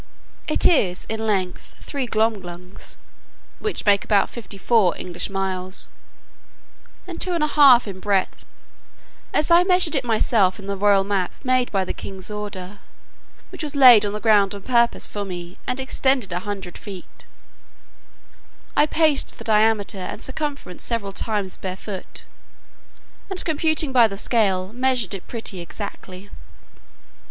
It is in length three glomglungs (which make about fifty four English miles,) and two and a half in breadth; as I measured it myself in the royal map made by the king's order, which was laid on the ground on purpose for me, and extended a hundred feet: I paced the diameter and circumference several times barefoot, and, computing by the scale, measured it pretty exactly.